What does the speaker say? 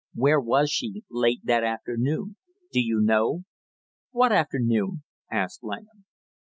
"Where was she late that afternoon, do you know?" "What afternoon?" asked Langham.